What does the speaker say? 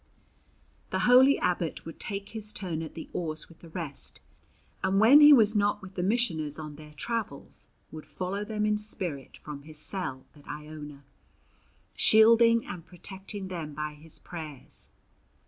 The holy abbot would take his turn at the oars with the rest, and when he was not with the missioners on their travels would follow them in spirit from his cell at Iona, shielding and protecting them by his prayers.